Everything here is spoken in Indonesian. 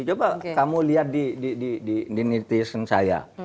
coba kamu lihat di netizen saya